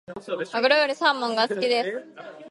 マグロよりサーモンが好きです。